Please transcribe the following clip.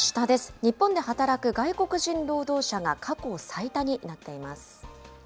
日本で働く外国人労働者が過去最多になっています。